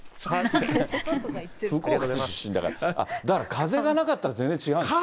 だから、風がなかったら全然違う。